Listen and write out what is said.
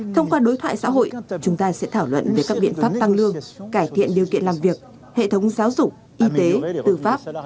thông qua đối thoại xã hội chúng ta sẽ thảo luận về các biện pháp tăng lương cải thiện điều kiện làm việc hệ thống giáo dục y tế tư pháp